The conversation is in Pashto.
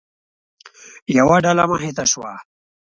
یوه ډله مخې ته شوه.